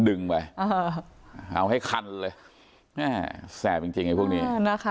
เอาให้คันเลยแสบจริงจริงไอ้พวกนี้